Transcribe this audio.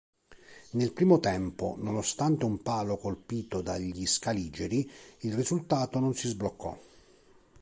Nel primo tempo, nonostante un palo colpito dagli scaligeri, il risultato non si sbloccò.